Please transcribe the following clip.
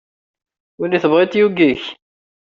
Win i tebɣiḍ yugi-k.